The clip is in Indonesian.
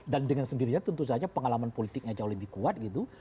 dengan sendirinya tentu saja pengalaman politiknya jauh lebih kuat gitu